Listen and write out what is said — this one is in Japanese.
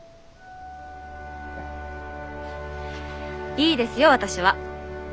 いいですよ私は！